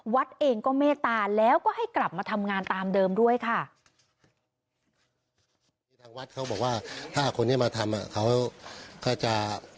วัดเองก็เมตตาแล้วก็ให้กลับมาทำงานตามเดิมด้วยค่ะ